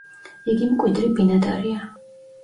იგი მკვიდრი ბინადარია.